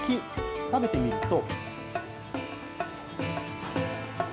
食べてみると。